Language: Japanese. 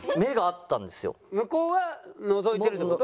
向こうはのぞいてるって事？